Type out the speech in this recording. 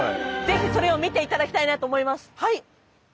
ぜひそれを見ていただきたいなと思います。